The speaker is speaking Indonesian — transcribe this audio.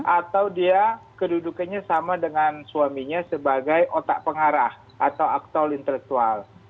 atau dia kedudukannya sama dengan suaminya sebagai otak pengarah atau aktor intelektual